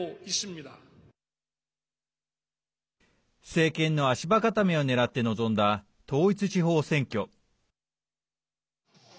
政権の足場固めを狙って臨んだ統一地方選挙。